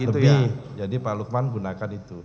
itu jadi pak lukman gunakan itu